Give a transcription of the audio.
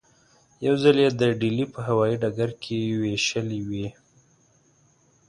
یو ځل یې د ډیلي په هوايي ډګر کې وېشلې وې.